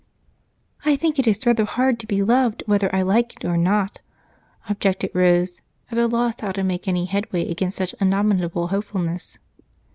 "I think it is rather hard to be loved whether I like it or not," objected Rose, at a loss how to make any headway against such indomitable hopefulness.